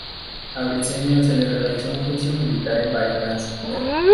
A Briceño se le realizó un juicio militar en Barinas.